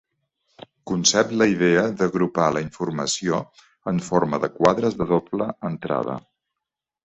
Concep la idea d'agrupar la informació en forma de quadres de doble entrada.